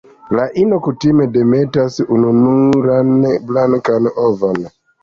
La ino kutime demetas ununuran blankan ovon.